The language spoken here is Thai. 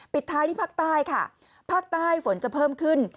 ปิดท้ายที่ภาคใต้ค่ะภาคใต้ฝนจะเพิ่มขึ้น